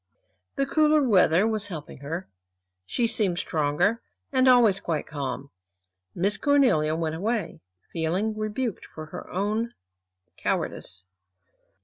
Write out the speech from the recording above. The cooler weather was helping her. She seemed stronger, and always quite calm. Miss Cornelia went away, feeling rebuked for her own cowardice.